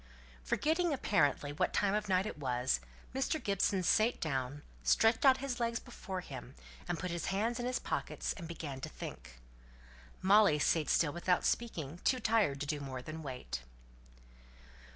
Forgetting, apparently, what time of night it was, Mr. Gibson sate down, stretched out his legs before him, put his hands in his pockets, and began to think. Molly sate still without speaking, too tired to do more than wait.